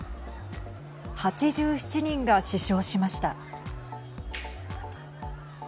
８７人が死傷しました。